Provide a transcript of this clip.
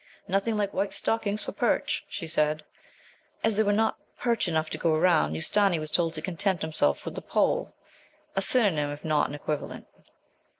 'Nothing like white stockings for perch,' she said. As there were not perch enough to go round, Ustâni was told to content himself with the pole, a synonym, if not an equivalent.